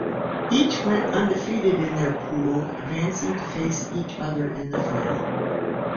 Each went undefeated in their pool, advancing to face each other in the final.